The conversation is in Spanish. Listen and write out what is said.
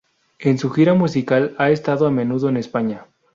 En su gira musical ha estado a menudo en España.